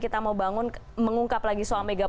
tidak sudah murah tapi ya bang